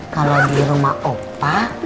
kalau di rumah opa